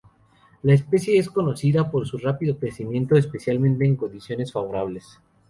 La especie es conocida por su rápido crecimiento, especialmente en condiciones favorables.